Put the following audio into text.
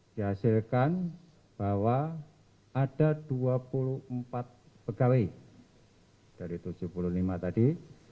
dihasilkan bahwa ada dua puluh empat pegawai dari tujuh puluh lima tadi